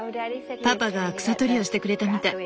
パパが草取りをしてくれたみたい。